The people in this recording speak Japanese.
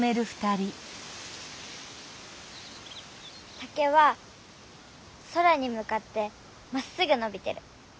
竹は空にむかってまっすぐのびてる。